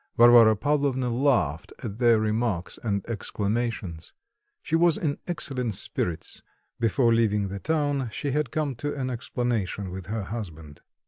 Varvara Pavlovna laughed at their remarks and exclamations. She was in excellent spirits; before leaving town, she had come to an explanation with her husband.